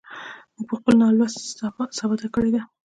موږ په خپل نه لوست ثابته کړې ده.